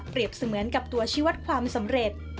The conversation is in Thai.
เสมือนกับตัวชีวัตรความสำเร็จ